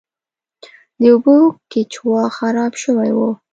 د اوبو کیچوا خراب شوی و.